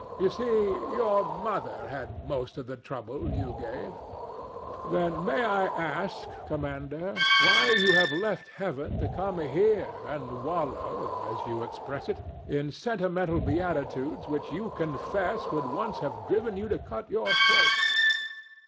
You see, your mother had most of the trouble you gave. DON JUAN. Then may I ask, Commander, why you have left Heaven to come here and wallow, as you express it, in sentimental beatitudes which you confess would once have driven you to cut your throat?